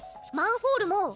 マンホールも！